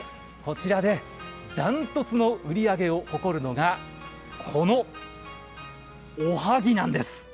こちらで断トツの売り上げを誇るのが、このおはぎなんです。